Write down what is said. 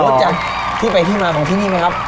รู้จักที่ไปที่มาของที่นี่ไหมครับ